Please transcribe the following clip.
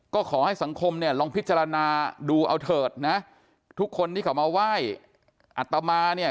ก็ขอให้สังคมเนี่ยลองพิจารณาดูเอาเถิดนะทุกคนที่เขามาไหว้อัตมาเนี่ย